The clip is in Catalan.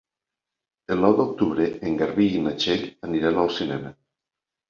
El nou d'octubre en Garbí i na Txell aniran al cinema.